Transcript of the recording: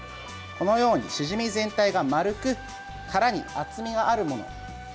このように、シジミ全体が丸く殻に厚みがあるもの。